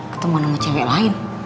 ketemuan sama cewek lain